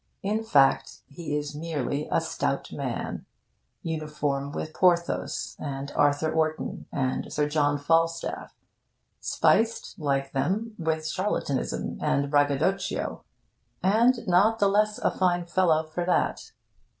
In fact, he is merely a stout man uniform with Porthos, and Arthur Orton, and Sir John Falstaff; spiced, like them, with charlatanism and braggadocio, and not the less a fine fellow for that.